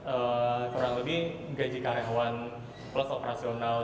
eh kurang lebih gaji karyawan plus operasional